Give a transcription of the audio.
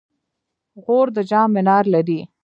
غور د جام منار لري